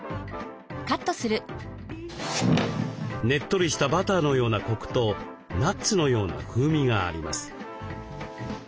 ねっとりしたバターのようなコクとナッツのような風味があります。